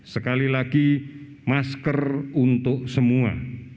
sekali lagi masker untuk semua